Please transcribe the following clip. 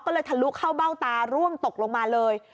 ก็เลยทะลุเข้าเบ้าตาร่วงตกลงมาเลย